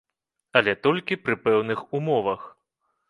Але толькі пры пэўных умовах.